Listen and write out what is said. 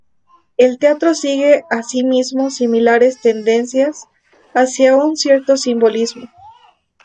El teatro sigue asimismo similares tendencias hacia un cierto simbolismo.